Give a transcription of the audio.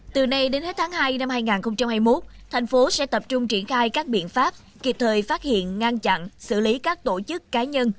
từ nay đến hết tháng hai năm hai nghìn hai mươi một thành phố sẽ tập trung triển khai các biện pháp kịp thời phát hiện ngăn chặn xử lý các tổ chức cá nhân